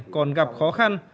còn gặp khó khăn